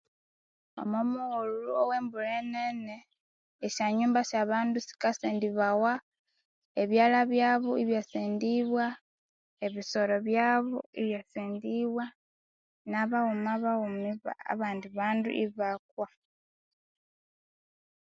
Omumughulhu owe mbulha nene esyonyumba syabandu sikasendibawa ebyalya byabo ibyasendibwa ebisoro byabo ibyasendibwa nabaghuma baghuma ibaa abandi bandu ibakwa